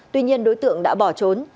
tuy nhiên đối tượng đã bỏ trốn